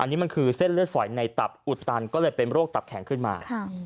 อันนี้มันคือเส้นเลือดฝอยในตับอุดตันก็เลยเป็นโรคตับแข็งขึ้นมา